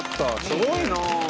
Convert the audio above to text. すごいなあ。